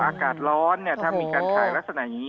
อากาศร้อนถ้ามีการขายลักษณะอย่างนี้